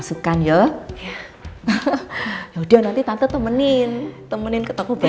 mungkin aku yang harus banyak ala